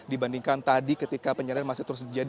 dibandingkan tadi ketika penyanderaan masih terus berjadi